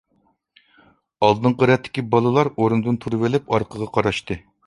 ئالدىنقى رەتتىكى بالىلار ئورنىدىن تۇرۇۋېلىپ ئارقىغا قاراشتى.